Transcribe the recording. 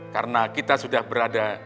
karena kita sudah berada